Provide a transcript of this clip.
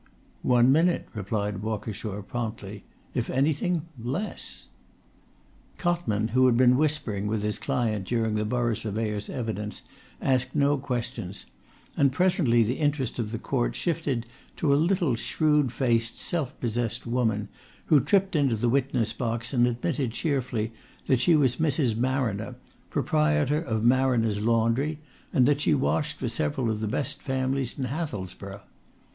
"One minute," replied Walkershaw promptly. "If anything less." Cotman, who had been whispering with his client during the Borough Surveyor's evidence, asked no questions, and presently the interest of the court shifted to a little shrewd faced, self possessed woman who tripped into the witness box and admitted cheerfully that she was Mrs. Marriner, proprietor of Marriner's Laundry, and that she washed for several of the best families in Hathelsborough.